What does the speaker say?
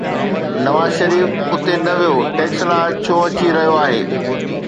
نواز شريف اتي نه ويو، ٽيڪسلا ڇو اچي رهيو آهي؟